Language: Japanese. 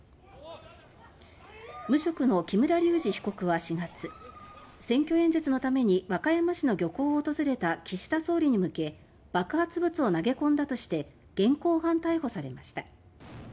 無職の木村隆二被告は４月選挙演説のために和歌山市の漁港を訪れた岸田総理に向け爆発物を投げ込んだとして現行犯逮捕されました。